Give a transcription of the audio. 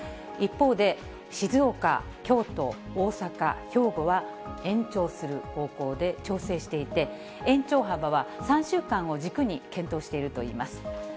一方で、静岡、京都、大阪、兵庫は、延長する方向で調整していて、延長幅は３週間を軸に検討しているといいます。